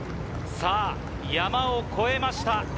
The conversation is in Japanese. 山を越えました。